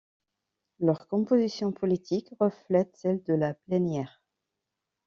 Leur composition politique reflète celle de la plénière.